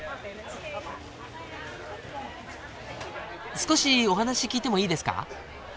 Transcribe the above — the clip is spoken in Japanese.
少しお話聞いてもいいですか？